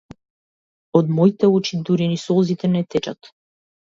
Од моите очи дури ни солзите не течат.